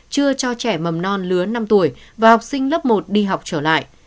chưa cho trẻ mầm non lứa năm tuổi và học sinh lớp một đi học trở lại